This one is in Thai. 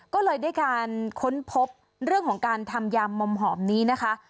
ก็เลยได้การค้นพบเรื่องของการทำยามมหอมนี้นะคะ